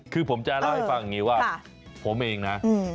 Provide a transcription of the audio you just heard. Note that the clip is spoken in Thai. คือผมจะเล่าให้ฟังว่าผมเองนะ